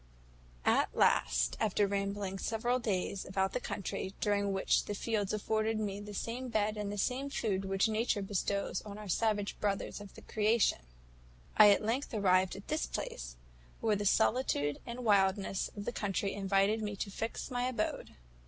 "At last, after rambling several days about the country, during which the fields afforded me the same bed and the same food which nature bestows on our savage brothers of the creation, I at length arrived at this place, where the solitude and wildness of the country invited me to fix my abode.